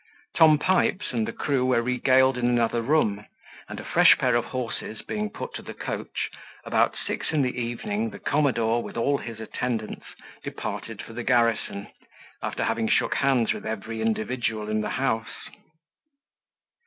Tom Pipes and the crew were regaled in another room; and, a fresh pair of horses being put to the coach, about six in the evening the commodore, with all his attendants, departed for the garrison, after having shook hands with every individual in the house.